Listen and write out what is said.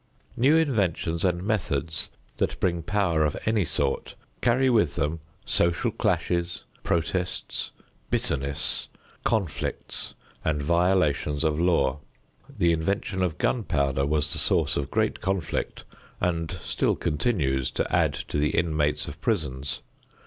New inventions and methods that bring power of any sort carry with them social clashes, protests, bitterness, conflicts and violations of law. The invention of gun powder was the source of great conflict and still continues to add to the inmates of prisons.